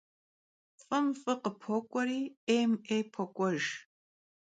F'ım f'ı khıpok'ueri, 'êym 'êy pok'uejj.